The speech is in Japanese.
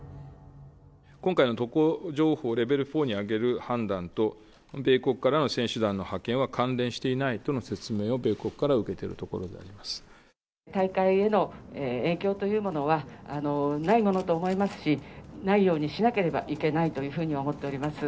今回の渡航情報レベル４に上げる判断と、米国からの選手団の派遣は関連していないとの説明を米国から受け大会への影響というものはないものと思いますし、ないようにしなければいけないというふうに思っております。